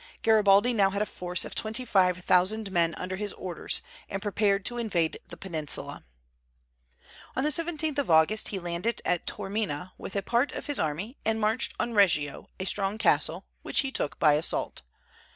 Garibaldi now had a force of twenty five thousand men under his orders, and prepared to invade the peninsula. On the 17th of August he landed at Taormina with a part of his army, and marched on Reggio, a strong castle, which he took by assault.